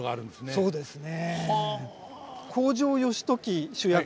そうですね。